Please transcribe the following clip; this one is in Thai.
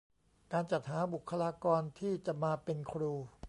การจัดหาบุคคลากรที่จะมาเป็นครู